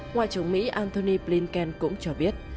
ngoại trưởng mỹ antony blinken cũng cho biết